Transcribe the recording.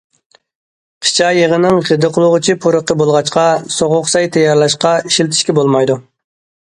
قىچا يېغىنىڭ غىدىقلىغۇچى پۇرىقى بولغاچقا، سوغۇق سەي تەييارلاشقا ئىشلىتىشكە بولمايدۇ.